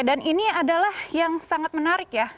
dan ini adalah yang sangat menarik ya